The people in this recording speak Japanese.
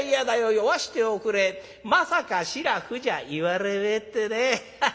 酔わしておくれまさか素面じゃ言われめえ』ってね。ハハハ！」。